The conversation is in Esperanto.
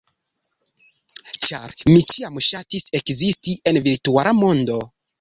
ĉar mi ĉiam ŝatis ekzisti en virtuala mondo.